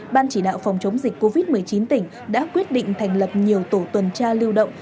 ban chỉ đạo phòng chống dịch covid một mươi chín tỉnh đã quyết định thành lập nhiều tổ tuần tra lưu động